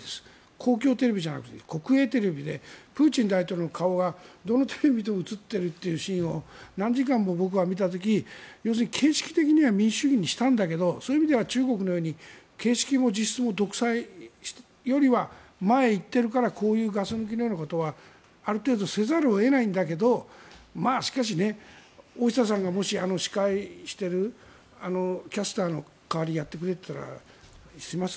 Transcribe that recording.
公共テレビじゃなくて国営テレビでプーチン大統領の顔がどのテレビでも映っているというシーンを何時間も僕は見た時に形式的には民主主義にしたんだけどそういう意味では中国のように形式も実質も独裁よりは前に行っているからこういうガス抜きのようなことはある程度せざるを得ないんだけど大下さんがもし、司会しているキャスターの代わりにやってくれって言ったらします？